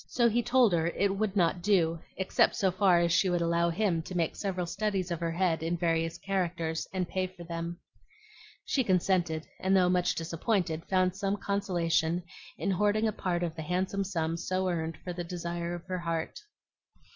So he told her it would not do, except so far as she would allow him to make several studies of her head in various characters and pay for them. She consented, and though much disappointed found some consolation in hoarding a part of the handsome sum so earned for the desire of her heart.